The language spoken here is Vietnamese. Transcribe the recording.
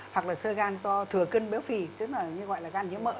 hoặc là sơ gan do thừa cân béo phì chứ mà như gọi là gan nhớ mỡ